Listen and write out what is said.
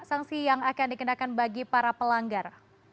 sanksi yang akan dikenakan bagi para pelanggar